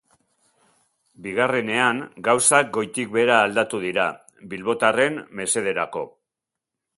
Bigarrenean gauzak goitik behera aldatu dira, bilbotarren mesederato.